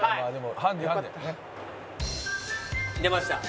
出ました。